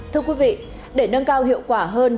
thưa quý vị để nâng cao hiệu quả hơn